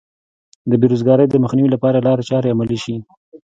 د بې روزګارۍ د مخنیوي لپاره لارې چارې عملي شي.